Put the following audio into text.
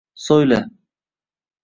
So’yla